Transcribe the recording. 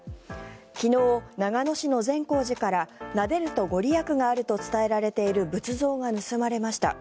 昨日、長野市の善光寺からなでるとご利益があると伝えられている仏像が盗まれました。